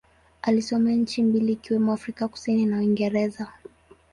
Alisomea nchi mbili ikiwemo Afrika Kusini na Uingereza.